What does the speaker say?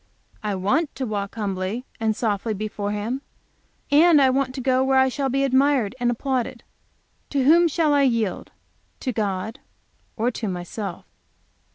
I want to walk humbly and softly before Him, and I want to go where I shall be admired and applauded. To whom shall I yield? To God? Or to myself?